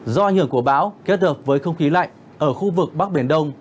do ảnh hưởng của bão kết hợp với không khí lạnh ở khu vực bắc biển đông